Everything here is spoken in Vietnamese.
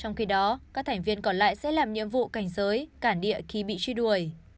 trong khi đó các thành viên còn lại sẽ làm nhiệm vụ cảnh giới cản địa khi bị truy đuổi